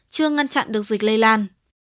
chưa ngăn chặn được dịch lây lan